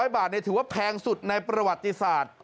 ๐บาทถือว่าแพงสุดในประวัติศาสตร์